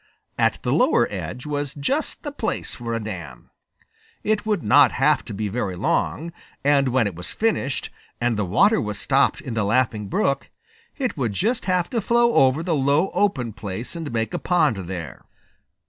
At the lower edge was just the place for a dam. It would not have to be very long, and when it was finished and the water was stopped in the Laughing Brook, it would just have to flow over the low open place and make a pond there.